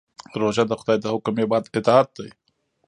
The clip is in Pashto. روژه د خدای د حکم اطاعت دی.